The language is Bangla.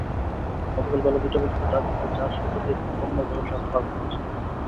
গতকাল বেলা দুইটা পর্যন্ত টার্মিনালে চার শতাধিক পণ্যবাহী ট্রাক পার্ক করা ছিল।